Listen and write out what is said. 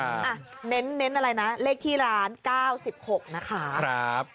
เน้นอะไรนะเลขที่ร้าน๙๖นะคะ